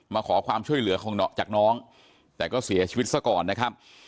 มาขอความช่วยเหลือของน้องจากน้องแต่ก็เสียชีวิตซะก่อนนะครับ